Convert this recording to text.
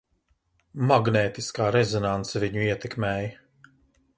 Magnētiskā rezonanse viņu ietekmēja.